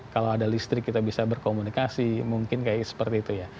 kalau ada listrik kita bisa berkomunikasi mungkin seperti itu